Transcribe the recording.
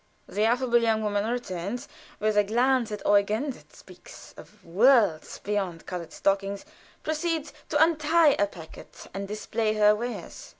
The affable young woman returns, and with a glance at Eugen that speaks of worlds beyond colored stockings, proceeds to untie a packet and display her wares.